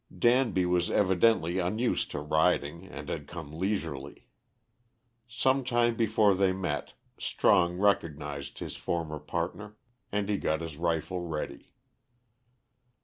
Danby was evidently unused to riding and had come leisurely. Some time before they met, Strong recognised his former partner and he got his rifle ready.